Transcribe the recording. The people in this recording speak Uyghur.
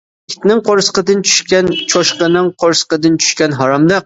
ئىتنىڭ قورسىقىدىن چۈشكەن، چوشقىنىڭ قورسىقىدىن چۈشكەن، ھاراملىق!